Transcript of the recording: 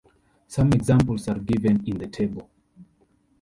Some examples are given in the table.